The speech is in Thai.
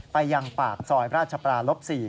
ไปยังปากซอยพระราชปราหรับ๔